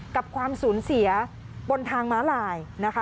กับความสูญเสียบนทางม้าลายนะคะ